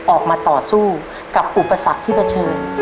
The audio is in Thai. ออกมาต่อสู้กับอุปสรรคที่เผชิญ